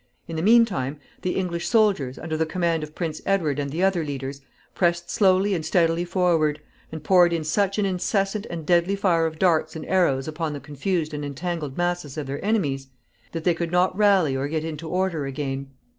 In the mean time, the English soldiers, under the command of Prince Edward and the other leaders, pressed slowly and steadily forward, and poured in such an incessant and deadly fire of darts and arrows upon the confused and entangled masses of their enemies, that they could not rally or get into order again.